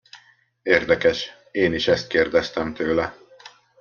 Érdekes, én is ezt kérdeztem tőle.